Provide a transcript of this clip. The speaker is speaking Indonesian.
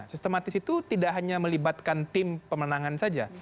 sistematis itu tidak hanya melibatkan tim pemenangan saja